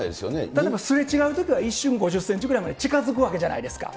例えばすれ違うときは、一瞬５０センチぐらいまで近づくわけじゃないですか。